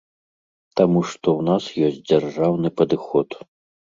Таму што ў нас ёсць дзяржаўны падыход.